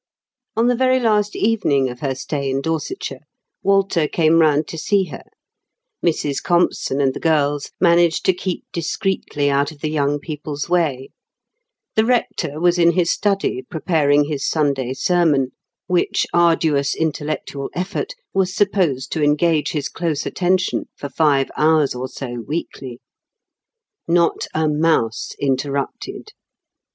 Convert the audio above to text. On the very last evening of her stay in Dorsetshire, Walter came round to see her. Mrs Compson and the girls managed to keep discreetly out of the young people's way; the rector was in his study preparing his Sunday sermon, which arduous intellectual effort was supposed to engage his close attention for five hours or so weekly. Not a mouse interrupted.